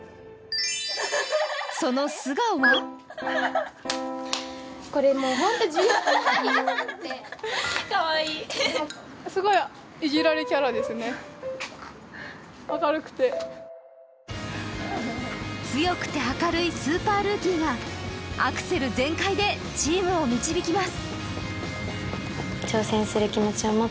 その素顔は強くて明るいスーパールーキーがアクセル全開でチームを導きます。